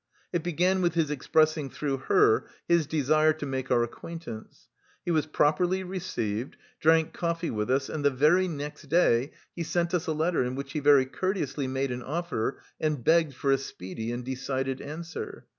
It began with his expressing through her his desire to make our acquaintance. He was properly received, drank coffee with us and the very next day he sent us a letter in which he very courteously made an offer and begged for a speedy and decided answer.